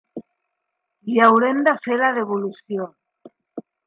Li haurem de fer la devolució.